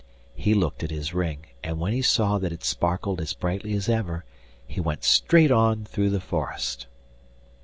He looked at his ring, and when he saw that it sparkled as brightly as ever he went straight on through the forest.